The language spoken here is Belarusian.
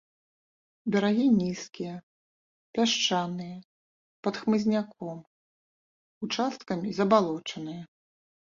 Берагі нізкія, пясчаныя, пад хмызняком, участкамі забалочаныя.